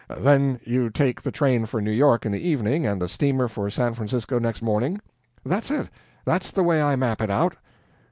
Then you take the train for New York in the evening, and the steamer for San Francisco next morning?" "That's it that's the way I map it out!"